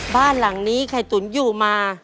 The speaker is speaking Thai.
บ้านหลังนี้ไข่ตุ๋นอยู่มา